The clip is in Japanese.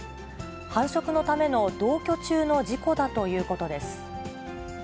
繁殖のための同居中の事故だということです。